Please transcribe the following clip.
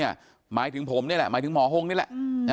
หมายถึงผมนี่แหละหมายถึงหมอฮงนี่แหละ